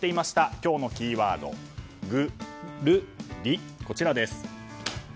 今日のキーワードグルリ、こちらです。